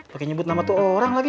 pakai nyebut nama tuh orang lagi